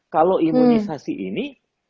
kalau imunisasi ini